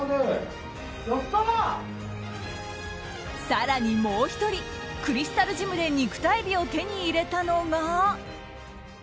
更にもう１人クリスタルジムで肉体美を手に入れたのが。